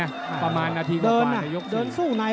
ถึงถ้าทีนั้นไปสังเกษตรี